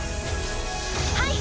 はい。